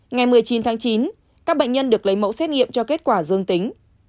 ngày một mươi chín tháng chín các bệnh nhân được lấy mẫu xét nghiệm cho kết quả dương tính